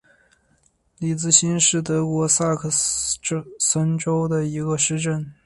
里茨兴是德国萨克森州的一个市镇。